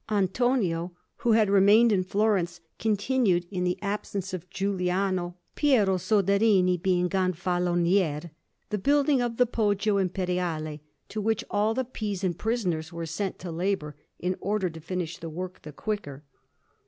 Antonio, who had remained in Florence, continued, in the absence of Giuliano (Piero Soderini being Gonfalonier), the building of the Poggio Imperiale, to which all the Pisan prisoners were sent to labour, in order to finish the work the quicker.